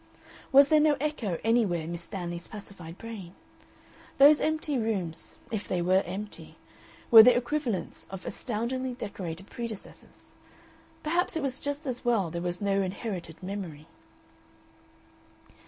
Was there no echo anywhere in Miss Stanley's pacified brain? Those empty rooms, if they were empty, were the equivalents of astoundingly decorated predecessors. Perhaps it was just as well there was no inherited memory.